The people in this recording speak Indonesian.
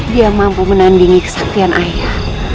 dia mampu menandingi kesaktian ayah